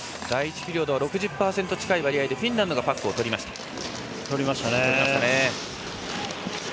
第１ピリオドは６０％近い割合でフィンランドがパックをとりました。